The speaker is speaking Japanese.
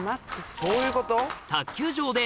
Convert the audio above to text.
そういうこと？